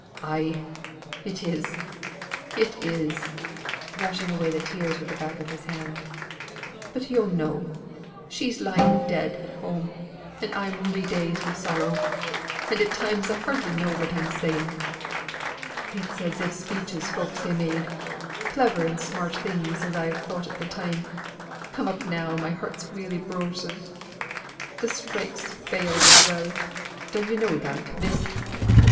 "Ay! it is, it is" (brushing away the tears with the back of his hand). "But yo' know, she's lying dead at home; and I'm welly dazed wi' sorrow, and at times I hardly know what I'm saying. It's as if speeches folk ha' made clever and smart things as I've thought at the time come up now my heart's welly brossen. Th' strike's failed as well; dun yo' know that, miss?